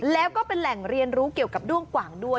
แล้วก็เป็นแหล่งเรียนรู้เกี่ยวกับด้วงกว่างด้วย